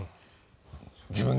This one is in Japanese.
自分で。